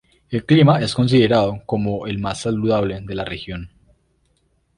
El clima es considerado como el más saludable de la región.